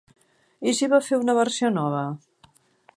I si va fer una versió nova?